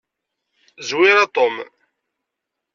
Zwir a Tom.